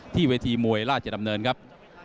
เวทีมวยราชดำเนินครับ